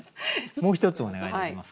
もう一つお願いできますか。